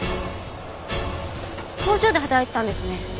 工場で働いてたんですね。